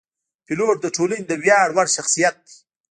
پیلوټ د ټولنې د ویاړ وړ شخصیت دی.